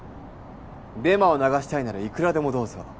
デマを流したいならいくらでもどうぞ。